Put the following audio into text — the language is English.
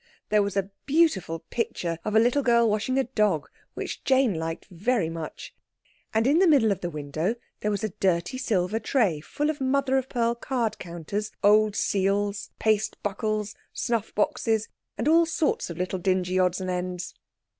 There was a beautiful picture of a little girl washing a dog, which Jane liked very much. And in the middle of the window there was a dirty silver tray full of mother of pearl card counters, old seals, paste buckles, snuff boxes, and all sorts of little dingy odds and ends.